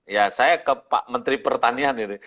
ya saya ke pak menteri pertanian ini